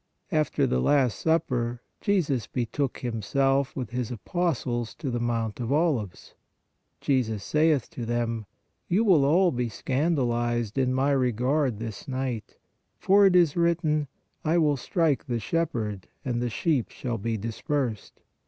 After the Last Supper Jesus betook Himself with His apostles to the Mount of Olives. "Jesus saith to them: You will all be scandalized in My regard this night, for it is written : I will strike the shepherd and the sheep shall be dispersed.